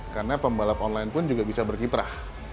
karena pembalap online pun juga bisa berkiprah